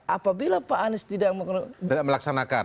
apabila pak anies tidak melaksanakan